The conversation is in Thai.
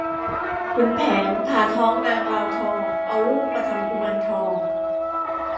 ขุนแผนผ่าท้องนางลาวทอง เอาลูกมาทำกุมารทอง